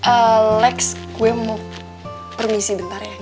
alex gue mau permisi sebentar ya